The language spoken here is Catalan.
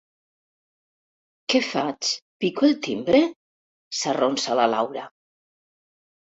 Què faig, pico el timbre? —s'arronsa la Laura.